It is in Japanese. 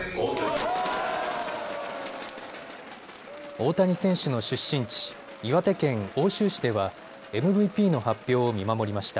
大谷選手の出身地、岩手県奥州市ではＭＶＰの発表を見守りました。